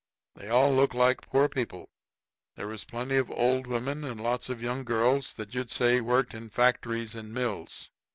They all looked like poor people; there was plenty of old women and lots of young girls that you'd say worked in factories and mills.